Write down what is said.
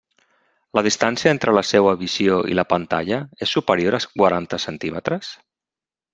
La distància entre la seua visió i la pantalla és superior a quaranta centímetres?